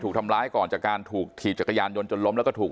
ทำร้ายก่อนจากการถูกถีบจักรยานยนต์จนล้มแล้วก็ถูก